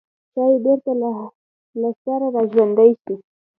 ښايي بېرته له سره راژوندي شي.